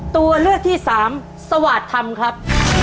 ตัวเลือกที่สามสวาสตร์ธรรมครับ